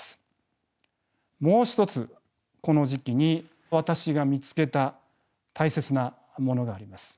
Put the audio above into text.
もう一つこの時期に私が見つけた大切なものがあります。